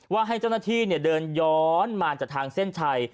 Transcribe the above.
ว่าให้เจ้าหน้าที่เดินย้อนมาจากทางเส้นชัย